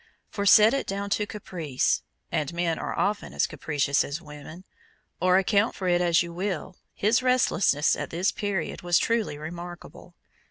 For set it down to caprice and men are often as capricious as women or account for it as you will, his restlessness at this period was truly remarkable.